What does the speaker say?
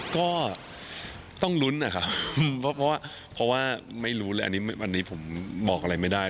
ก็ต้องลุ้นนะครับเพราะว่าเพราะว่าไม่รู้เลยอันนี้ผมบอกอะไรไม่ได้